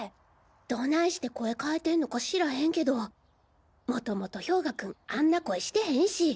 どないして声変えてんのか知らへんけど元々兵我君あんな声してへんし。